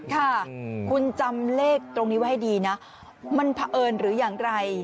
ค่ะคุณจำเลขตรงนี้ไว้ให้ดีนะมันเผอิญหรืออย่างไร